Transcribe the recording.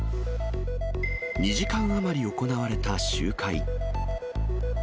２時間余り行われた集会。